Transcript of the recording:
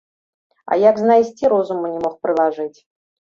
А як знайсці, розуму не мог прылажыць.